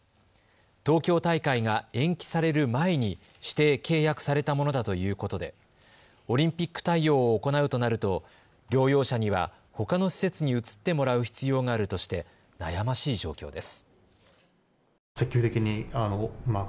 東京大会が延期される前に指定、契約されたものだということでオリンピック対応を行うとなると療養者には、ほかの施設に移ってもらう必要があるとして悩ましい状況です。